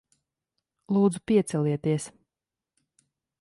Lūdzu, piecelieties.